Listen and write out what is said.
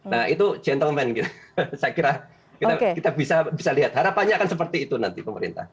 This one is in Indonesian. nah itu gentleman gitu saya kira kita bisa lihat harapannya akan seperti itu nanti pemerintah